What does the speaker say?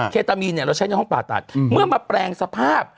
เคตามีนเนี่ยเราใช้ในห้องผ่าตัดเมื่อมาแปลงสภาพ